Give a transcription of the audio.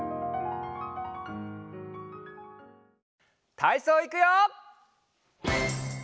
たいそういくよ！